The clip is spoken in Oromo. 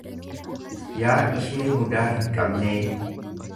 Yaa ishee mudaa hin qabnee.